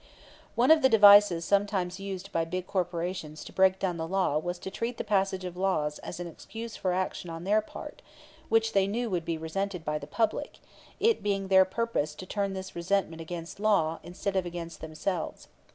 One of the devices sometimes used by big corporations to break down the law was to treat the passage of laws as an excuse for action on their part which they knew would be resented by the public, it being their purpose to turn this resentment against the law instead of against themselves.